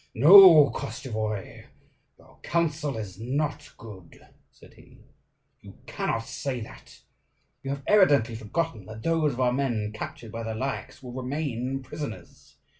"No, Koschevoi, your counsel is not good," said he. "You cannot say that. You have evidently forgotten that those of our men captured by the Lyakhs will remain prisoners.